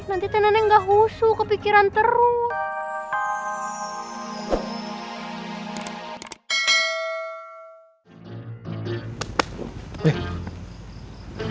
nanti teh neneng gak husu kepikiran teruk